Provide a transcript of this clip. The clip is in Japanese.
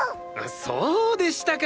そうでしたか！